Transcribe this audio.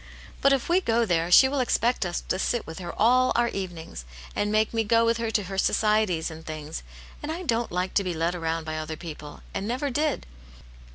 But if we go there, she will expect us to sit with her all our evenings, and make me go with her to her societies and things. And I don't like to be led round by other people, and never did."